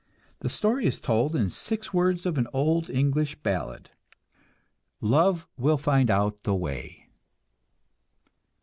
The story is told in six words of an old English ballad: "Love will find out the way!"